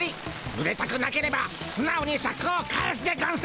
ぬれたくなければすなおにシャクを返すでゴンス。